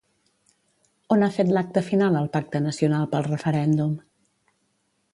On ha fet l'acte final el Pacte Nacional pel Referèndum?